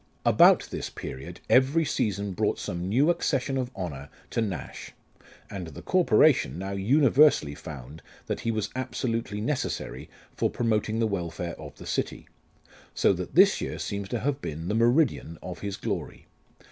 About this period every season brought some new accession of honour to Nash ; and the corporation now universally found that he was absolutely necessary for promoting the welfare of the city ; so that this year seems to have been the meridian of his glory.